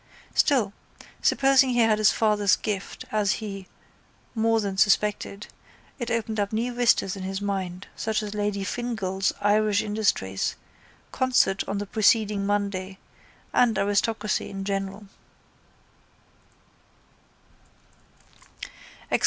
Still, supposing he had his father's gift as he more than suspected, it opened up new vistas in his mind such as Lady Fingall's Irish industries, concert on the preceding Monday, and aristocracy in general.